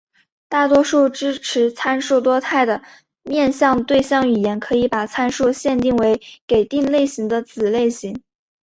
大多数支持参数多态的面向对象语言可以把参数限定为给定类型的子类型。